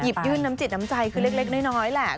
ยื่นน้ำจิตน้ำใจคือเล็กน้อยแหละ